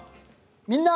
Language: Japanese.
「みんな！